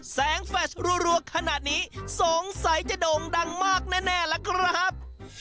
แสงแฟชรัวขนาดนี้สงสัยจะโด่งดังมากแน่ล่ะครับ